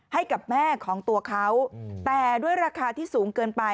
ให้กับแม่ของตัวเขาแต่ด้วยราคาที่สูงเกินไป